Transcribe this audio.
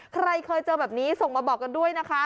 ใครเคยเจอแบบนี้ส่งมาบอกกันด้วยนะคะ